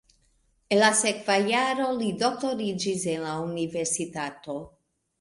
En la sekva jaro li doktoriĝis en la universitato.